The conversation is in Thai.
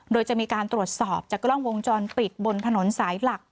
โดยจะมีการตรวจสอบจากกล้องวงจรปิดบนถนนสายหลัก